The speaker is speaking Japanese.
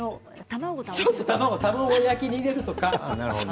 卵焼きに入れるとか。